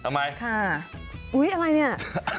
เห้ยอะไรเนี่ย